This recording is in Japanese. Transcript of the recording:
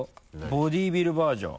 ボディビルバージョン。